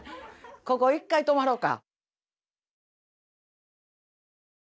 ここ１回泊まろうか。